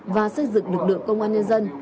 và xây dựng lực lượng công an nhân dân